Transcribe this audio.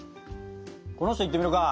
この人いってみるか。